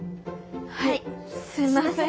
はいすんません。